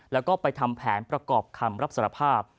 แล้วก็ไปทำแผนประกอบคำรับสารภาพ